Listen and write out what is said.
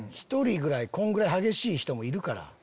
１人ぐらいこんぐらい激しい人もいるから。